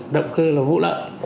động cơ là vụ lợi